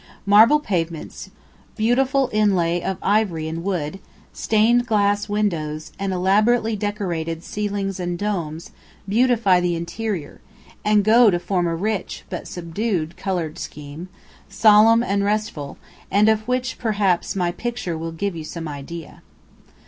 Marble pavements, beautiful inlay of ivory and wood, stained glass windows, and elaborately decorated ceilings and domes, beautify the interior, and go to form a rich but subdued coloured scheme, solemn and restful, and of which perhaps my picture will give you some idea.